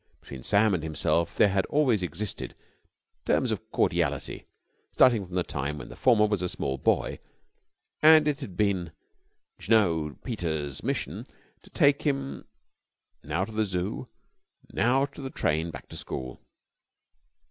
Between Sam and himself there had always existed terms of cordiality, starting from the time when the former was a small boy, and it had been Jno. Peters' mission to take him now to the Zoo, now to the train back to school.